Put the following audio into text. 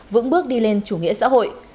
vững bước đi lên chủ nghĩa xã hội